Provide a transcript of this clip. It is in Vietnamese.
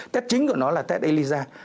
test chính của nó là test elisa